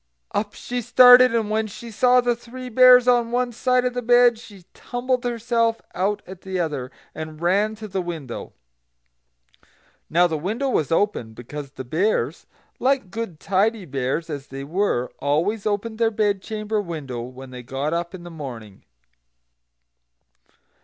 Up she started, and when she saw the Three Bears on one side of the bed, she tumbled herself out at the other, and ran to the window. Now the window was open, because the Bears, like good, tidy Bears as they were, always opened their bed chamber window when they got up in the morning.